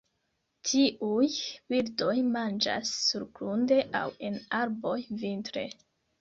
Tiuj birdoj manĝas surgrunde aŭ en arboj vintre.